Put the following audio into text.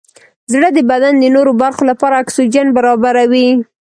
زړه د بدن د نورو برخو لپاره اکسیجن برابروي.